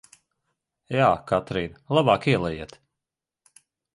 Jā, Katrīn, labāk ielejiet!